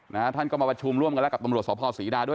ท่านก็มาประชุมร่วมกันแล้วกับตำรวจสภศรีดาด้วย